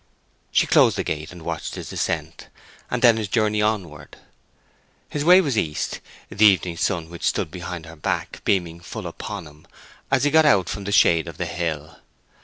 She closed the gate and watched his descent, and then his journey onward. His way was east, the evening sun which stood behind her back beaming full upon him as soon as he got out from the shade of the hill.